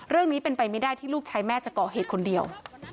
เรื่องนี้เป็นไปไม่ได้ที่ลูกชายแม่จะก่อเหตุคนเดียว